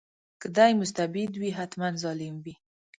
که دی مستبد وي حتماً ظالم وي.